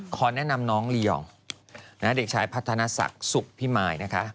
ขอแนะนำน้องลียองเด็กชายพัฒนศักดิ์สุขพิมายนะคะ